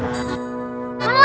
ini harus dihentikan